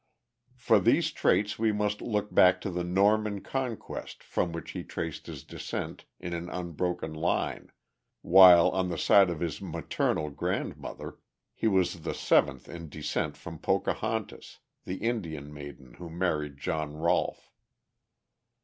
For these traits we must look back to the Norman Conquest from which he traced his descent in an unbroken line, while, on the side of his maternal grandmother, he was the seventh in descent from Pocahontas, the Indian maiden who married John Rolfe.